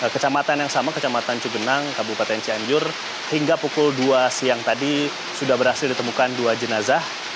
kecamatan yang sama kecamatan cugenang kabupaten cianjur hingga pukul dua siang tadi sudah berhasil ditemukan dua jenazah